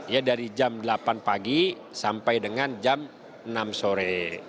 ya dari jam delapan pagi sampai dengan jam enam sore